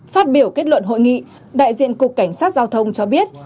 phát biểu kết luận hội nghị đại diện cục cảnh sát giao thông cho biết